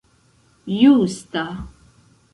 justa